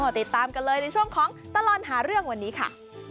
ติดตามกันเลยในช่วงของตลอดหาเรื่องวันนี้ค่ะ